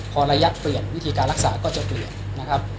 พอระยะเปลี่ยนวิธีการรักษาก็จะเปลี่ยนนะครับ